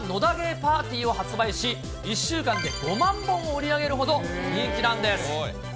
ＰＡＲＴＹを発売し、１週間で５万本を売り上げるほど人気なんです。